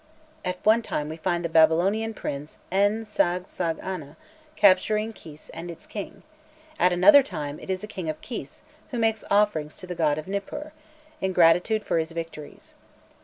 At one time we find the Babylonian prince En sag(sag) ana capturing Kis and its king; at another time it is a king of Kis who makes offerings to the god of Nippur, in gratitude for his victories.